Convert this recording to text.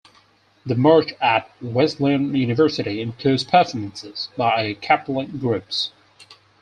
The march at Wesleyan University includes performances by a cappella groups.